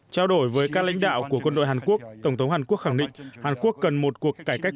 trao đổi với các lãnh đạo của quân đội hàn quốc tổng thống hàn quốc khẳng định hàn quốc cần một cuộc cải cách